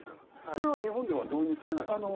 それは日本では導入されないんですか？